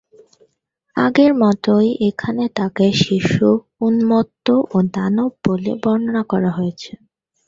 আগের মতোই এখানে তাকে শিশু, উন্মত্ত ও দানব বলে বর্ণনা করা হয়েছে।